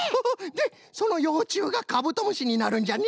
でそのようちゅうがカブトムシになるんじゃね？